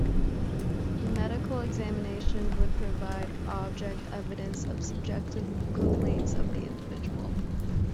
Medical examination would provide object evidence of subjective complaints of the individual.